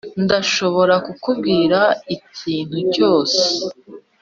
ndashobora kukubwira ikintu cyose.